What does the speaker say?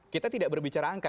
kita tidak berbicara angka